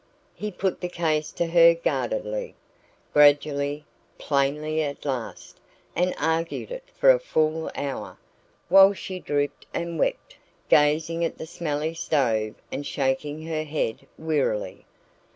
He put the case to her guardedly, gradually, plainly at last, and argued it for a full hour, while she drooped and wept, gazing at the smelly stove and shaking her head wearily.